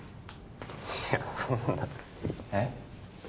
いやそんなえっ？